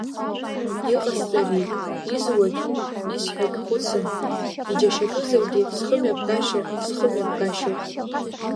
Иҟасҵари, изуагь исҳәогь хәыцым, иџьашьатәызаргь, схымҩаԥгашьа схымҩаԥгашьоуп.